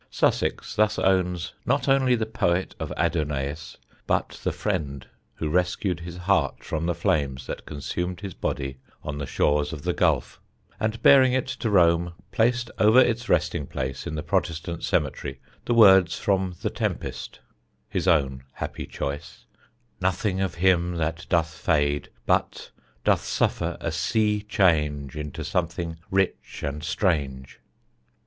Sussex thus owns not only the poet of "Adonais," but the friend who rescued his heart from the flames that consumed his body on the shores of the Gulf, and bearing it to Rome placed over its resting place in the Protestant cemetery the words from the Tempest (his own happy choice): "Nothing of him that doth fade, But doth suffer a sea change Into something rich and strange."